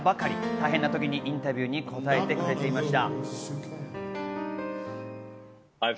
大変な時にインタビューに答えてくれていました。